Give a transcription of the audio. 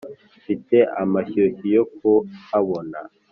mfite amashyushyu yo kuhabona.